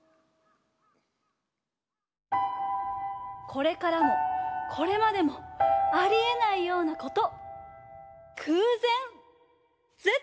これからもこれまでもありえないようなこと。